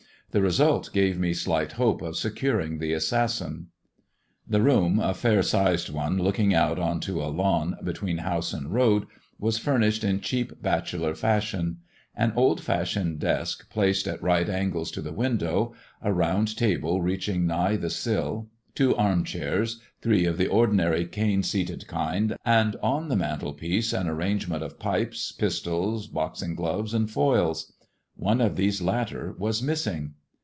The result gave me slight hope of securing the assassin. The room (a fair sized one, looking out on to a lawn between house and road) was furnished in cheap bachelor fashion. An old fashioned desk placed at right . angles to the window, a round table reaching nigh the sill, two arm chairs, three of the ordinary cane seated kind, and on the mantelpiece an arrangement of pipes, pistols, boxing glove^ and foils. One of these latter was missing.